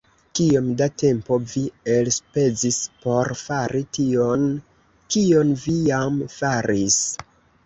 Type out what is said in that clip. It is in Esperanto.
Kiom da tempo vi elspezis por fari tion, kion vi jam faris?